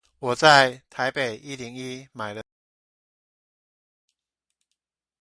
我在台北一零一買了紀念品